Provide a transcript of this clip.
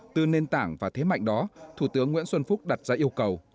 từ nền tảng và thế mạnh đó thủ tướng nguyễn xuân phúc đặt ra yêu cầu